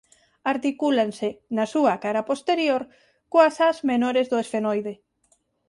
Articúlanse na súa cara posterior coas ás menores do esfenoide.